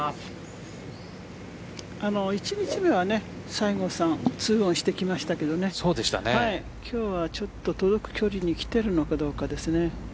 １日目は西郷さんツーオンしてきましたけど今日はちょっと届く距離に来ているのかどうかですね。